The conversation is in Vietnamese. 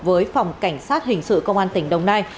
với phòng cảnh sát hình sự công an tỉnh đồng nai